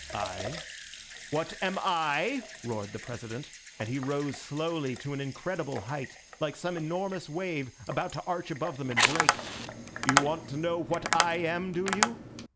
"I? What am I?" roared the President, and he rose slowly to an incredible height, like some enormous wave about to arch above them and break. "You want to know what I am, do you?